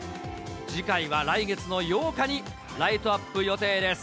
次回は来月の８日にライトアップ予定です。